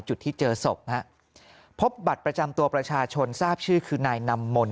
จุดที่เจอศพพบบัตรประจำตัวประชาชนทราบชื่อคือนายนำมนต